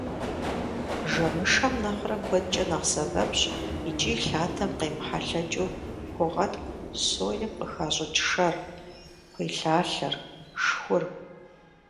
Жэмышэм нэхърэ куэдкӀэ нэхъ сэбэпщ икӀи лъатэм къемыхьэлъэкӀыу хуогъэткӀу соем къыхащӀыкӀ шэр, кхъуейлъалъэр, шхур.